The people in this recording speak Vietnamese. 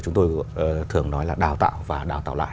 chúng tôi thường nói là đào tạo và đào tạo lại